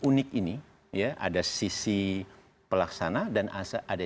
unik ini ya ada sisi pelaksana dan ada